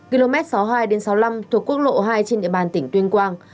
km sáu mươi hai sáu mươi năm thuộc quốc lộ hai trên địa bàn tỉnh tuyên quang